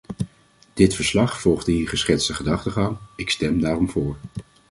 Dit verslag volgt de hier geschetste gedachtegang - ik stem daarom voor.